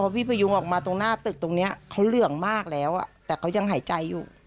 พี่พยุงออกมาตรงหน้าตึกตรงนี้เขาเหลืองมากแล้วแต่เขายังหายใจอยู่